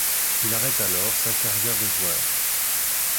Il arrête alors sa carrière de joueur.